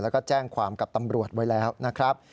แล้วก็แจ้งความกับตำรวจไว้แล้วนะครับ